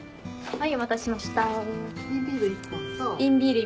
はい。